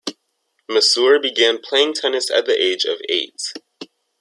Masur began playing tennis at the age of eight.